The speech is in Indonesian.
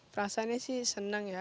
perasaannya sih senang ya